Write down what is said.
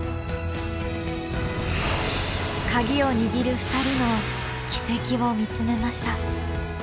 鍵を握る２人の軌跡を見つめました。